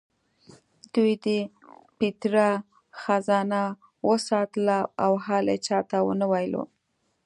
دوی د پیترا خزانه وساتله او حال یې چا ته ونه ویلو.